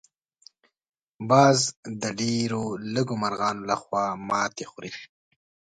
باز د ډېر لږو مرغانو لخوا ماتې خوري